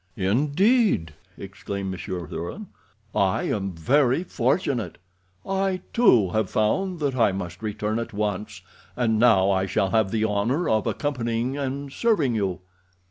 "Indeed?" exclaimed Monsieur Thuran. "I am very fortunate. I, too, have found that I must return at once, and now I shall have the honor of accompanying and serving you."